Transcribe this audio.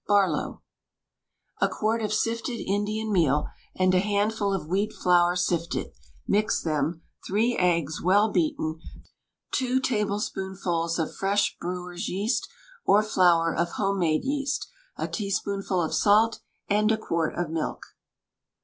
BARLOW. A quart of sifted Indian meal, and a handful of wheat flour sifted; mix them; three eggs, well beaten; two tablespoonfuls of fresh brewer's yeast, or flour of home made yeast, a teaspoonful of salt, and a quart of milk.